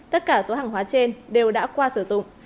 tất cả số hàng hóa trên đều đã qua sử dụng